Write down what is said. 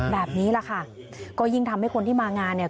แบบนี้แหละค่ะก็ยิ่งทำให้คนที่มางานเนี่ย